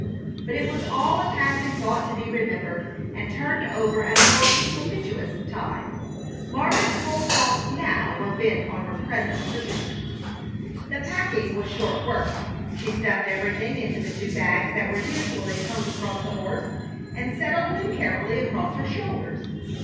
But it was all a passing thought to be remembered and turned over at a more propitious time. Margaret's whole thoughts now were bent on her present predicament. The packing was short work. She stuffed everything into the two bags that were usually hung across the horse, and settled them carefully across her shoulders.